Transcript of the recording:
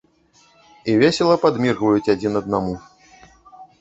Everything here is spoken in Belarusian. І весела падміргваюць адзін аднаму.